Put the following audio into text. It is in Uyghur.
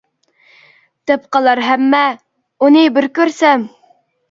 دەپ قالار ھەممە: ئۇنى بىر كۆرسەم!